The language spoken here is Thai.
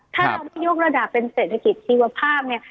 ถ้าเราไม่ยกระดับเป็นเศรษฐกิจชีวภาพเนี่ย